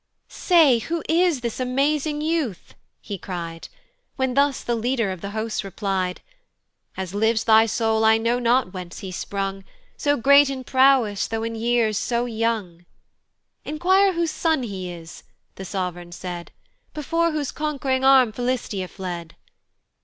"Say, who is this amazing youth?" he cry'd, When thus the leader of the host reply'd; "As lives thy soul I know not whence he sprung, "So great in prowess though in years so young:" "Inquire whose son is he," the sov'reign said, "Before whose conq'ring arm Philistia fled."